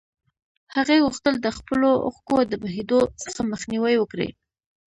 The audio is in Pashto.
هغې غوښتل د خپلو اوښکو د بهېدو څخه مخنيوی وکړي.